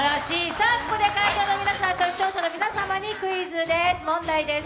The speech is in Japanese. ここでスタジオの皆さんと視聴者の皆様にクイズです。